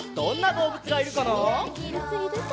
どうぶついるかな？